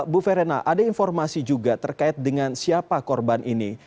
bu verena ada informasi juga terkait dengan siapa korban ini